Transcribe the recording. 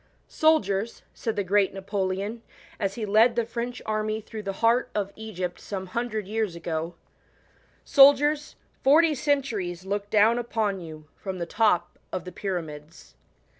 C. 1918. "Soldieis," said th^ 1 great Napoleon, as he led the French army through the f heart of Egypt come hundred years ago " Soldiers, forty centuries iook down upon you, from the top of the pyramids."